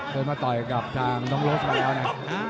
เคยมาต่อยกับทางน้องโรสมาแล้วนะ